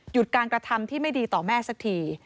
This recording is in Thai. การกระทำที่ไม่ดีต่อแม่สักที